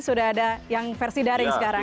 sudah ada yang versi daring sekarang